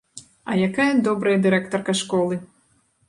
А якая добрая дырэктарка школы!